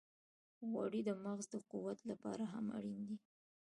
غوړې د مغز د قوت لپاره هم اړینې دي.